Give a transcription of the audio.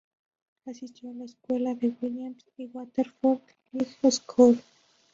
Asistió a la escuela de Williams y Waterford High School.